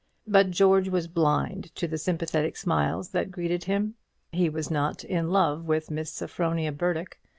But George was blind to the sympathetic smiles that greeted him. He was not in love with Miss Sophronia Burdock.